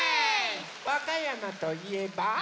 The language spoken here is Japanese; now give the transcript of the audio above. わかやまといえば？